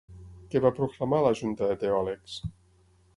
Què va proclamar la junta de teòlegs?